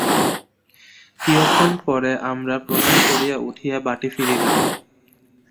কিয়ৎক্ষণ পরে আমরা প্রণাম করিয়া উঠিয়া বাটী ফিরিলাম।